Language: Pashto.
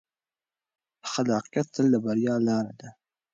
خلاقیت تل د بریا لاره ده.